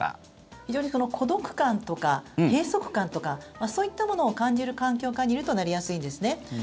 非常に孤独感とか閉塞感とかそういったものを感じる環境下にいるとなりやすいんですね。